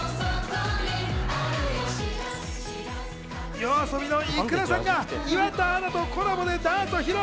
ＹＯＡＳＯＢＩのｉｋｕｒａさんが岩田アナとコラボでダンスを披露。